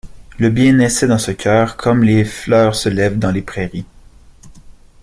le bien naissait dans ce cœur comme les fleurs se lèvent dans les prairies.